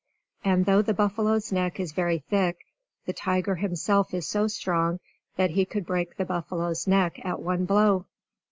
And though the buffalo's neck is very thick, the tiger himself is so strong that he could break the buffalo's neck at one blow.